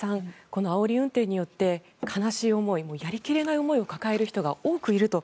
このあおり運転によって悲しい思いやり切れない思いを抱える人が多くいると。